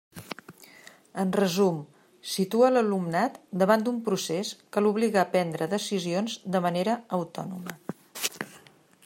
En resum, situa l'alumnat davant d'un procés que l'obliga a prendre decisions de manera autònoma.